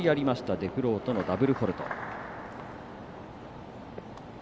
デフロートのダブルフォールト。